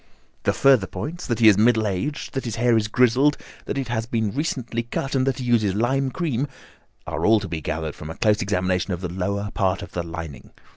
"The further points, that he is middle aged, that his hair is grizzled, that it has been recently cut, and that he uses lime cream, are all to be gathered from a close examination of the lower part of the lining.